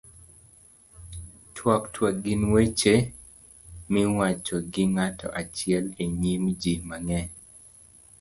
twak. twak gin weche miwacho gi ng'ato achiel e nyim ji mang'eny